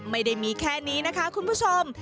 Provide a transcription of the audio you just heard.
ไม่ได้มีแค่นี้นะคะคุณผู้ชม